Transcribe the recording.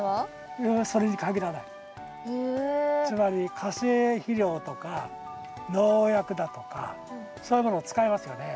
つまり化成肥料とか農薬だとかそういうものを使いますよね。